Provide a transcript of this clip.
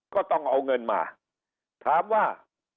ก็ต้องเอาเงินมาถามว่า